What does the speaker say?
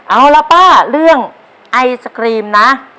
เอาละป้าเรื่องไอศครีมนะ